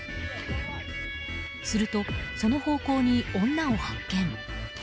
すると、その方向に女を発見。